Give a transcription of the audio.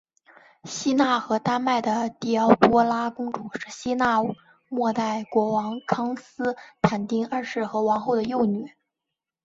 希腊和丹麦的狄奥多拉公主是希腊未代国王康斯坦丁二世和王后的幼女。